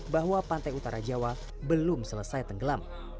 bahwa pantai utara jawa belum selesai tenggelam